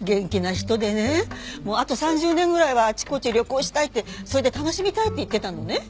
元気な人でねあと３０年ぐらいはあちこち旅行したいってそれで楽しみたいって言ってたのね。